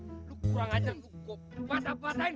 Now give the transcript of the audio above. lo kurang ajar gue patah patahin